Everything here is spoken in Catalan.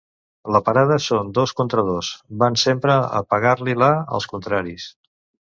La parada són dos contra dos, van sempre a pegar-li-la als contraris.